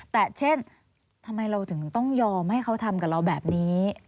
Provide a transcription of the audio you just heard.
แต่เช่นทำไมเราถึงต้องยอมให้เขาทำกับเราแบบนี้